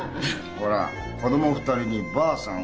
ほら子供２人にばあさん